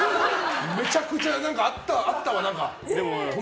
めちゃくちゃあったわ。